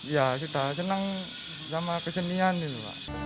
ya sudah senang sama kesenian itu